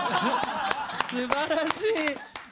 すばらしい！